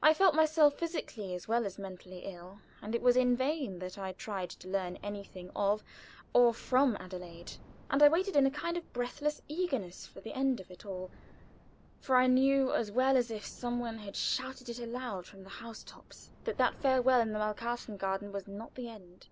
I felt myself physically as well as mentally ill, and it was in vain that I tried to learn anything of or from Adelaide, and I waited in a kind of breathless eagerness for the end of it all, for I knew as well as if some one had shouted it aloud from the house tops that that farewell in the Malkasten garden was not the end.